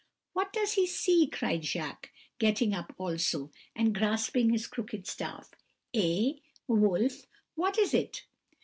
"'What does he see?' cried Jacques, getting up also, and grasping his crooked staff; 'eh, Wolf, what is it?'